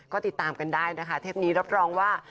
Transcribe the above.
ก็ติดตามกันได้นะคะเทปนี้รับรองว่า